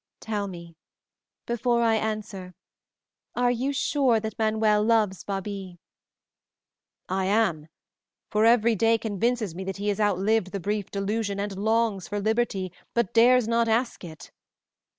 "Tell me, before I answer, are you sure that Manuel loves Babie?" "I am; for every day convinces me that he has outlived the brief delusion, and longs for liberty, but dares not ask it.